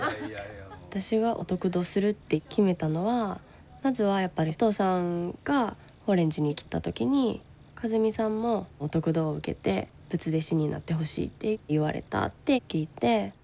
私はお得度するって決めたのはまずはやっぱりお父さんが宝蓮寺に来た時に和美さんもお得度を受けて仏弟子になってほしいって言われたって聞いて。